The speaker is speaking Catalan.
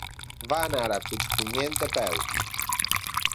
Va anar a Puigpunyent a peu.